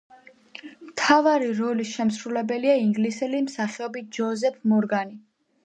მთავარი როლის შემსრულებელია ინგლისელი მსახიობი ჯოზეფ მორგანი.